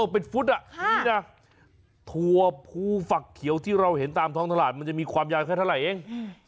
เป็นฟุตนี้นะถั่วภูฝักเขียวที่เราเห็นตามท้องตลาดมันจะมีความยาวแค่เท่าไหร่เอง